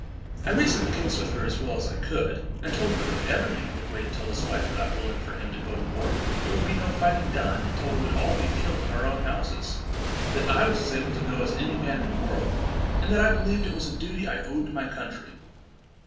I reasoned the case with her as well as I could, and told her, that if every man would wait till his wife got willing for him to go to war, there would be no fighting done, until we would all be killed in our own houses; that I was as able to go as any man in the world; and that I believed it was a duty I owed to my country.